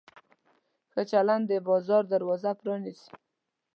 ښه چلند د بازار دروازه پرانیزي.